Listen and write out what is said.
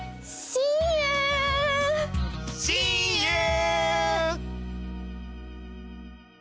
しんゆう！